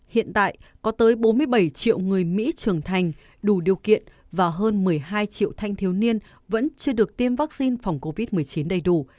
hiện tại có tới bốn mươi bảy triệu người mỹ trưởng thành đủ điều kiện và hơn một mươi hai triệu thanh thiếu niên vẫn chưa được tiêm vaccine phòng covid một mươi chín đầy đủ